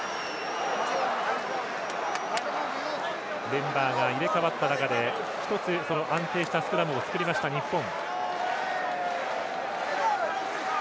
メンバーが入れ代わった中で１つ安定したスクラムを作りました日本。